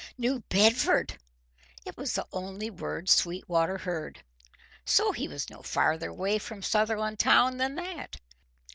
New Bedford! It was the only word Sweetwater heard. So, he was no farther away from Sutherlandtown than that.